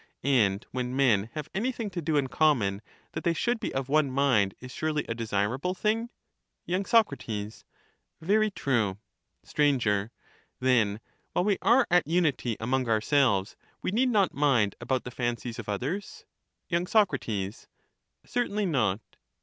And when men have anything to do in common, that they should be of one mind is surely a desirable thing ? Y. Soc. Very true. Str. Then while we are at unity among ourselves, we need not mind about the fancies of others ? Y. Soc. Certainly not.